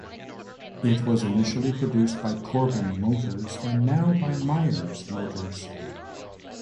It was initially produced by Corbin Motors and now by Myers Motors.